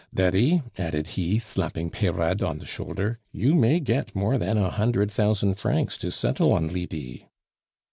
Daddy," added he, slapping Peyrade on the shoulder, "you may get more than a hundred thousand francs to settle on Lydie."